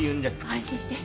安心して。